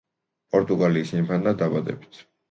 პორტუგალიის ინფანტა დაბადებით.